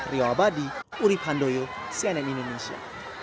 rio abadi urib handoyo cnn indonesia